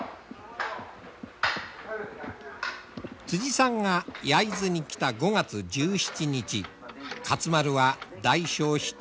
さんが焼津に来た５月１７日勝丸は大消費地